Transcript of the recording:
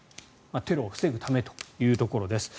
テロを防ぐためというところです。